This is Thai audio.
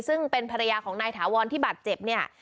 ซึ่งเป็นภรรยาของนายถาวรที่บาดเจ็บเนี่ย